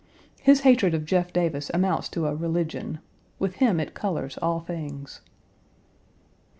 His hatred of Jeff Davis amounts to a religion With him it colors all things.